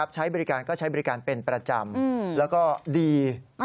ใช้บริการก็ใช้บริการเป็นประจำแล้วก็ดี